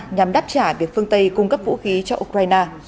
nhằm đáp trả việc phương tây cung cấp vũ khí cho ukraine